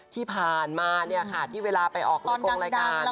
ที่ผ่านมาค่ะที่เวลาไปออกกลุ่มรายการ